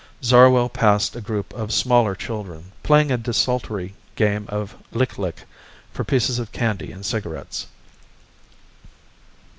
Zarwell passed a group of smaller children playing a desultory game of lic lic for pieces of candy and cigarettes.